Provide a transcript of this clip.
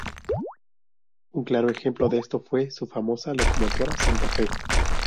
Un claro ejemplo de esto fue su famosa "Locomotora Santa Fe".